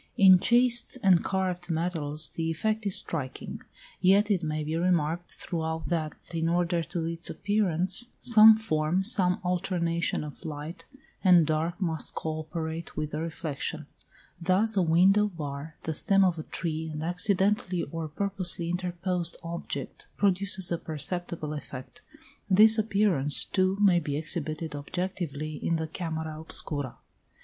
In chased and carved metals the effect is striking: yet it may be remarked throughout that, in order to its appearance, some form, some alternation of light and dark must co operate with the reflection; thus a window bar, the stem of a tree, an accidentally or purposely interposed object produces a perceptible effect. This appearance, too, may be exhibited objectively in the camera obscura.